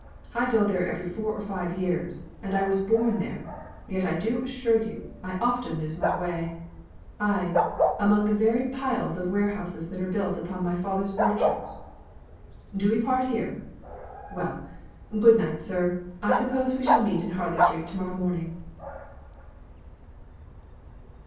I go there every four or five years and I was born there yet I do assure you, I often lose my way aye, among the very piles of warehouses that are built upon my father's orchard. Do we part here? Well, good night, sir; I suppose we shall meet in Harley Street to morrow morning."